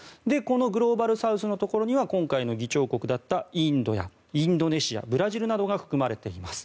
グローバルサウスのところには今回の議長国だったインドやインドネシア、ブラジルなどが含まれています。